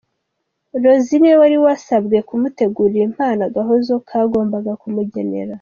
Rossi niwe wari wasabwe kumutegurira impano Agahozo kagomba kumugenera.